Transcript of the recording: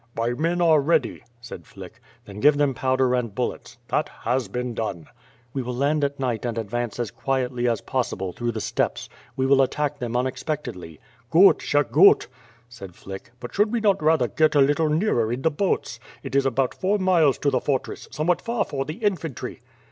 "My men are ready," said Flick. ^Then give them powder and bullets." "That has been done.'' "We will land at night and advance as quietly as possible through the steppes. We will attack them unexpectedly." l64 ^iTH FIRE AND SWORD. "Gut, schr gut!" said Flick, "but should we not rather get a litle nearer, in the boats? It is about four miles to the fortress, somewhat far for the infantry."